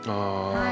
はい。